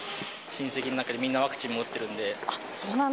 親戚の中でみんなワクチンも打ってるんで。